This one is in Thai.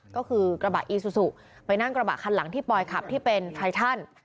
ก็คือกระบะอีซูซูไปนั่งกระบะคันหลังที่ปอยขับที่เป็นไฟทัน